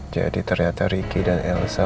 jadi ternyata ricky dan elsa